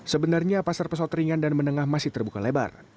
sebenarnya pasar pesawat ringan dan menengah masih terbuka lebar